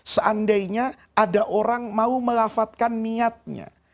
seandainya ada orang mau melafatkan niatnya